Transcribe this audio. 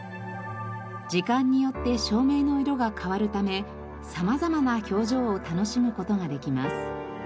時間によって照明の色が変わるため様々な表情を楽しむ事ができます。